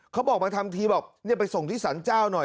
เขาบอกมาทำทีบอกไปส่งที่สรรเจ้าหน่อย